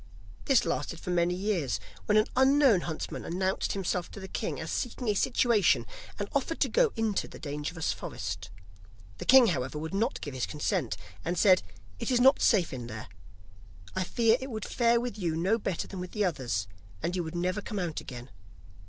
This lasted for many years, when an unknown huntsman announced himself to the king as seeking a situation, and offered to go into the dangerous forest. The king, however, would not give his consent, and said: 'It is not safe in there; I fear it would fare with you no better than with the others, and you would never come out again.